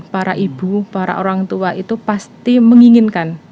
para ibu para orang tua itu pasti menginginkan